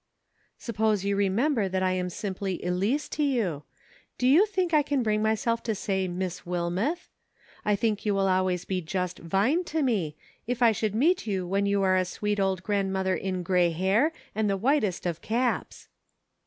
" Suppose you remember that I am simply Elice to you ; do you think I can bring myself to say * Miss Wilmeth .*' I think you will always be just Vine to me, if I should meet you when you are a sweet old grandmother in gray hair and the whit est of caps."